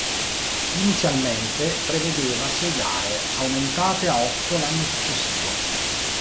Inizialmente prevedeva sei gare, aumentate a otto l'anno successivo.